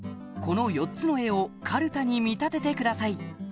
この４つの絵をカルタに見立ててください